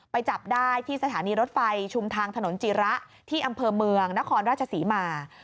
จับได้ที่สถานีรถไฟชุมทางถนนจิระที่อำเภอเมืองนครราชศรีมา